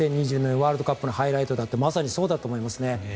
ワールドカップのハイライトだとまさにそうだと思いますね。